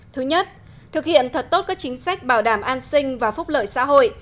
thứ nhất thực hiện thật tốt các chính sách bảo đảm an sinh và phúc lợi xã hội